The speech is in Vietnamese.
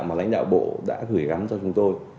mà lãnh đạo bộ đã gửi gắm cho chúng tôi